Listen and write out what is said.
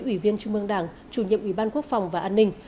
ủy viên trung mương đảng chủ nhiệm ủy ban quốc phòng và an ninh